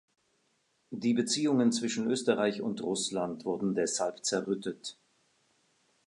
Die Beziehungen zwischen Österreich und Russland wurden deshalb zerrüttet.